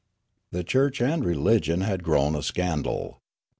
The church and religion had grown a scan dal.